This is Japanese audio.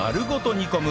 煮込む